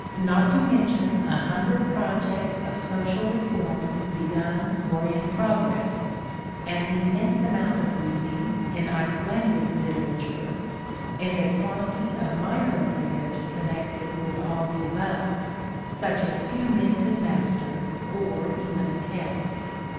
Not to mention a hundred projects of social reform begun or in progress, — an immense amount of reading in Icelandic literature, — and a quantity of minor affairs connected with all the above, such as few men could master or even attempt.